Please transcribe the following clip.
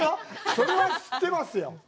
それは知ってますよ。